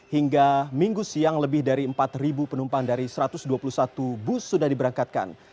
hingga minggu siang lebih dari empat penumpang dari satu ratus dua puluh satu bus sudah diberangkatkan